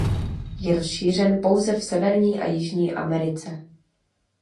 Je rozšířen pouze v Severní a Jižní Americe.